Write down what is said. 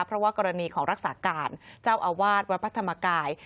เพราะว่ากรณีของรักษาการเจ้าอาวาสวัดพระธรรมกาย